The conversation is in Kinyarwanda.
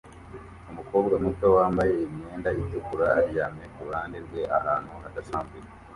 Umukobwa muto wambaye imyenda itukura aryamye kuruhande rwe ahantu hadasanzwe